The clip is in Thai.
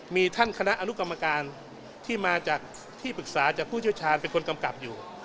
มีท่านคณะอนุกรรมการที่มาจากที่ปรึกษาจากผู้เชี่ยวชาญเป็นคนกำกับอยู่